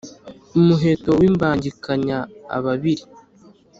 umuheto w’imbangikanya ababili,